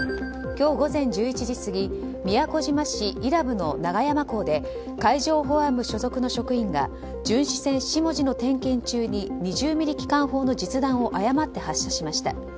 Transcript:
今日午前１１時過ぎ宮古島市伊良部の長山港で海上保安部所属の職員が巡視船「しもじ」の点検中に２０ミリ機関砲の実弾を誤って発射しました。